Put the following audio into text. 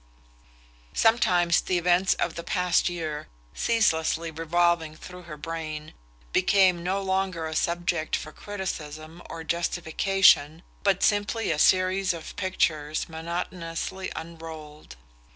Sometimes the events of the past year, ceaselessly revolving through her brain, became no longer a subject for criticism or justification but simply a series of pictures monotonously unrolled.